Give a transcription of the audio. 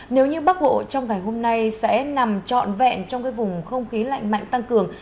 nếu như bắc bộ trong ngày hôm nay sẽ nằm trọn vẹn trong vùng không khí lạnh mạnh tăng cường